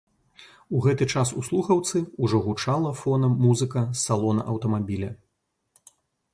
У гэты час у слухаўцы ўжо гучала фонам музыка з салона аўтамабіля.